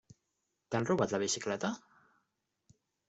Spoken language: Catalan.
T'han robat la bicicleta?